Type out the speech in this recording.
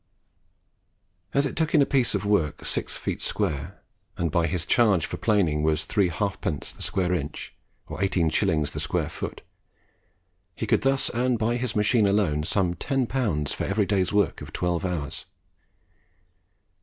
As it took in a piece of work six feet square, and as his charge for planing was three halfpence the square inch, or eighteen shillings the square foot, he could thus earn by his machine alone some ten pounds for every day's work of twelve hours.